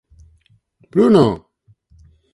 Bruno!